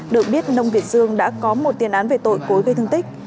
được biết nông việt dương đã có một tiền án về tội cối gây thương tích